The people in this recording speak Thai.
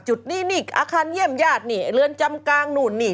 จุดนี่อาคารเยี่ยมญาติเรือนจำกรางโน่นนี่